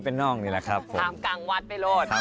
เราก็พยายามแบบว่า